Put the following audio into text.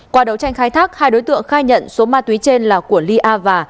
qua đấu tranh khai thác hai đối tượng khai nhận số ma túy trên là của ly a và